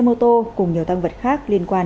mô tô cùng nhiều tăng vật khác liên quan